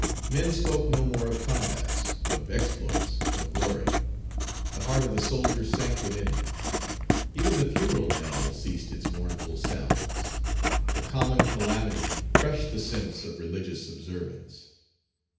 Men spoke no more of combats, of exploits, of glory. The heart of the soldier sank within him. Even the funeral knell ceased its mournful sounds; the common calamity crushed the sense of religious observance.